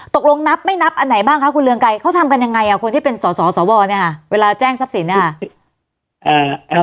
ตกลงนับไม่นับอันไหนบ้างคะคุณเรืองไกรเขาทำกันยังไงอ่ะคนที่เป็นสสวเนี่ยค่ะเวลาแจ้งทรัพย์สินเนี่ย